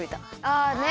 あね！